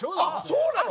そうなの。